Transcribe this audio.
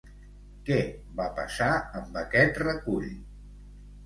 Què va passar amb aquest recull?